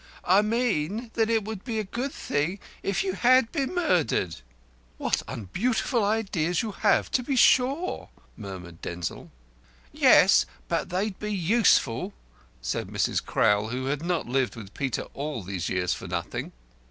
"I mean that it would be a good thing if you had been murdered." "What unbeautiful ideas you have to be sure!" murmured Denzil. "Yes; but they'd be useful," said Mrs. Crowl, who had not lived with Peter all these years for nothing.